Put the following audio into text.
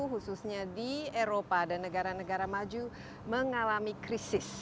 khususnya di eropa dan negara negara maju mengalami krisis